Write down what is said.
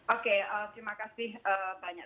oke terima kasih banyak